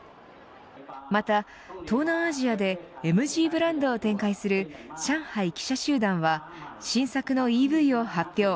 また東南アジアでＭＧブランドを展開する上海汽車集団は新作のＥＶを発表。